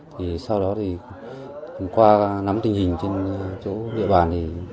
thì sau đó thì qua nắm tình hình trên chỗ địa bàn thì